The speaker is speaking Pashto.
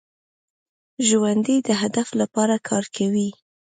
ژوندي د هدف لپاره کار کوي